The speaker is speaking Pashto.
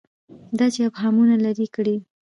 دا چې ابهامونه لري کړي.